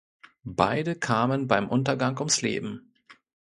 Beide kamen beim Untergang ums Leben.